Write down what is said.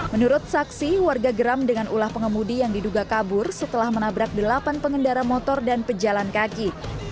menurut saksi warga geram dengan ulah pengemudi yang diduga kabur setelah menabrak delapan pengendara motor dan pejalan kaki